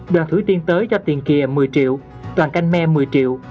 đoàn thử tiên tới cho tiền kìa một mươi triệu toàn canh me một mươi triệu